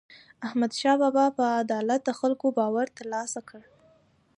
احمدشاه بابا په عدالت د خلکو باور ترلاسه کړ.